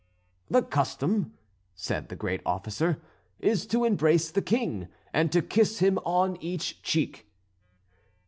"The custom," said the great officer, "is to embrace the King, and to kiss him on each cheek."